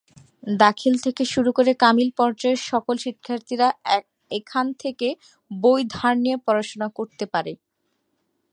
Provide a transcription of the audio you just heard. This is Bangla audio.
দাখিল থেকে শুরু করে কামিল পর্যায়ের সকল শিক্ষার্থীরা এখান থেকে বই ধার নিয়ে পড়াশোনা করতে পারে।